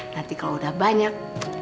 nanti kalo udah banyak